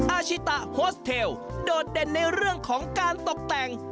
อาชิตะโฮสเทลโดดเด่นในเรื่องของการตกแต่ง